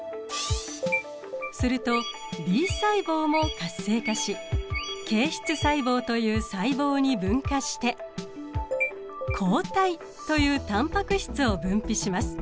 するとＢ細胞も活性化し形質細胞という細胞に分化して抗体というタンパク質を分泌します。